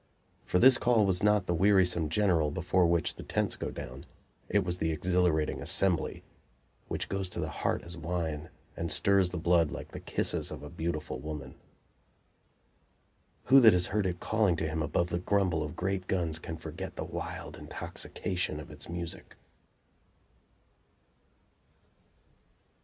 For this call was not the wearisome "general" before which the tents go down; it was the exhilarating "assembly," which goes to the heart as wine and stirs the blood like the kisses of a beautiful woman. Who that has heard it calling to him above the grumble of great guns can forget the wild intoxication of its music?